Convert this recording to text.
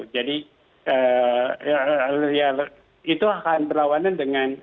jadi ya itu akan berlawanan dengan